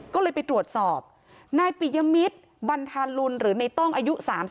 ก็เลยไปตรวจสอบนายปิยมิตรบันทาลุนหรือในต้องอายุ๓๓